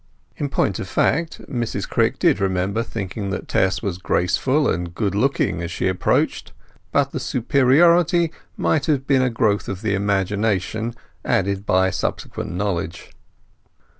In point of fact Mrs Crick did remember thinking that Tess was graceful and good looking as she approached; but the superiority might have been a growth of the imagination aided by subsequent knowledge.